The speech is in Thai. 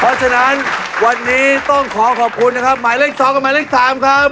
เพราะฉะนั้นวันนี้ต้องขอขอบคุณนะครับหมายเลข๒กับหมายเลข๓ครับ